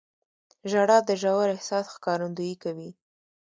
• ژړا د ژور احساس ښکارندویي کوي.